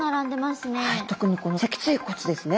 特にこの脊椎骨ですね。